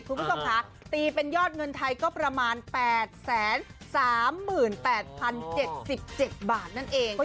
คุณผู้ชมค่ะตีเป็นยอดเงินไทยก็ประมาณ๘๓๘๐๗๗บาทนั่นเอง